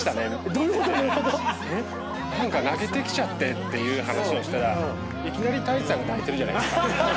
どういうこと⁉泣けてきてっていう話をしたらいきなり太一さんが泣いてるじゃないですか。